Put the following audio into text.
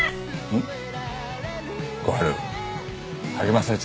うん。